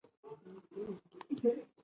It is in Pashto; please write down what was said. پامیر د افغانستان د امنیت په اړه هم اغېز لري.